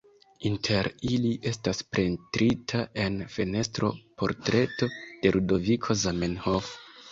Inter ili estas pentrita en fenestro, portreto de Ludoviko Zamenhof.